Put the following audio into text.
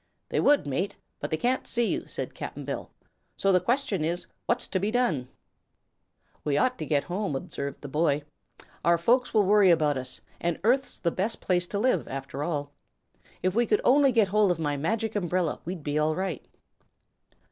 "They would, mate; but they can't see you," said Cap'n Bill. "So the question is, what's to be done?" "We ought to get home," observed the boy. "Our folks will worry about us and Earth's the best place to live, after all. If we could only get hold of my Magic Umbrella, we'd be all right."